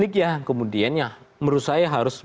ya kemudian ya menurut saya harus